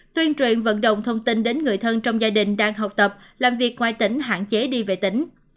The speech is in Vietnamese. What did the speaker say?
tuyên truyền vận động thông tin đến người thân trong gia đình đang học tập làm việc ngoài tỉnh hạn chế đi về tỉnh